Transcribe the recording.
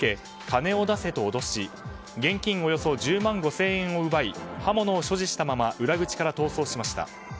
金を出せと脅し、現金およそ１０万５０００円を奪い刃物を所持したまま裏口から逃走しました。